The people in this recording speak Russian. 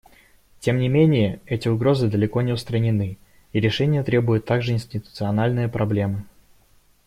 Тем не менее, эти угрозы далеко не устранены, и решения требуют также институциональные проблемы.